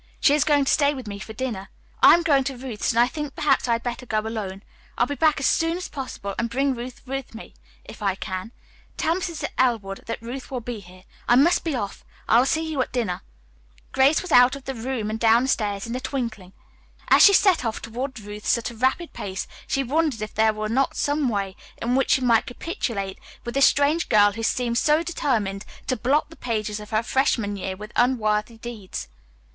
She is going to stay with me for dinner. I am going to Ruth's and I think perhaps I had better go alone. I'll be back as soon as possible, and bring Ruth with me, if I can. Tell Mrs. Elwood that Ruth will be here. I must be off. I will see you at dinner." Grace was out of the room and down the stairs in a twinkling. As she set off toward Ruth's at a rapid pace she wondered if there was not some way in which she might capitulate with this strange girl who seemed so determined to blot the pages of her freshman year with unworthy deeds.